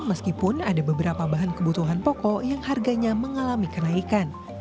meskipun ada beberapa bahan kebutuhan pokok yang harganya mengalami kenaikan